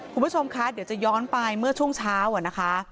คุณผู้ชมคะเดี๋ยวจะย้อนไปเมื่อช่วงเช้านะคะ